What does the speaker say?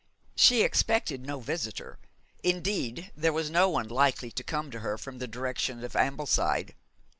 She expected no visitor; indeed, there was no one likely to come to her from the direction of Ambleside.